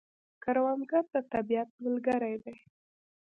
کروندګر د طبیعت ملګری دی